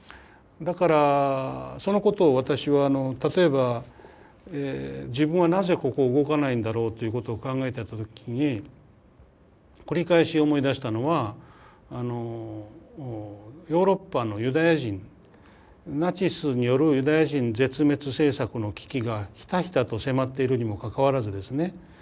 だからそのことを私は例えば自分はなぜここを動かないんだろうっていうことを考えた時に繰り返し思い出したのはヨーロッパのユダヤ人ナチスによるユダヤ人絶滅政策の危機がひたひたと迫っているにもかかわらずですね